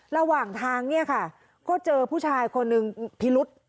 ระหว่างทางก็เจอผู้ชายคนหนึ่งพิรุษ